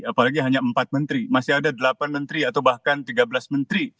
apalagi hanya empat menteri masih ada delapan menteri atau bahkan tiga belas menteri